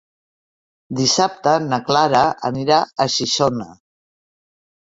Dissabte na Clara anirà a Xixona.